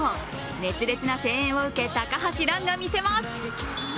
熱烈な声援を受け高橋藍がみせます。